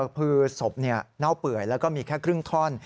คือศพเน่าเปื่อยแล้วก็มีแค่ครึ่งท่อน